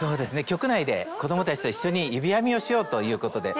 局内で子供たちと一緒にゆびあみをしようということで。